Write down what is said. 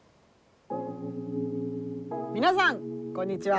皆さんこんにちは。